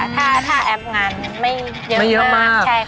ถ้าแอปงานไม่เยอะมาก